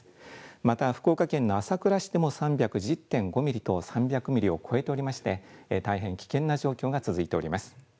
また福岡県の朝倉市でも３１０．５ミリと、３００ミリを超えておりまして、大変危険な状況が続いております。